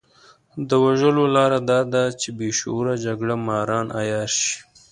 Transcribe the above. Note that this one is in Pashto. د وژلو لاره دا ده چې بې شعوره جګړه ماران عيار شي.